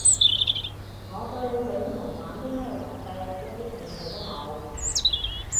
我對你整同玩啲咩遊戲一啲興趣都冇